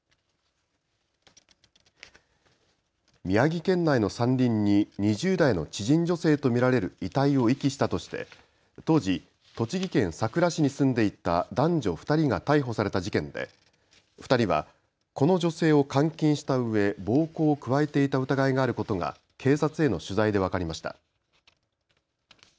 宮城県内の山林に２０代の知人女性と見られる遺体を遺棄したとして当時、栃木県さくら市に住んでいた男女２人が逮捕された事件で２人はこの女性を監禁したうえ暴行を加えていた疑いがあることが警察への取材で分かりました。